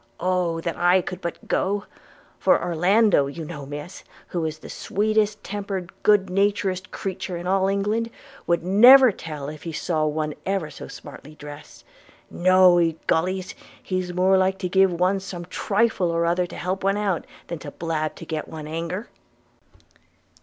Oh! that I could but go! – for Orlando, you know, Miss, who is the sweetest temperd good naturdest cretur in all England, would never tell if he saw one ever so smartly dress: – No, egollys! he's more like to give one some trifle or other to help one out, than to blab to get one anger.'